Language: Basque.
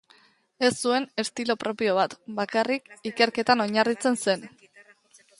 Ez zuen estilo propio bat, bakarrik ikerketan oinarritzen zen.